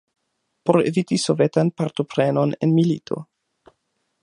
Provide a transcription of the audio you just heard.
Por eviti Sovetan partoprenon en milito.